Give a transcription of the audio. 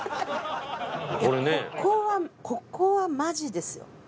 ここはマジですよ。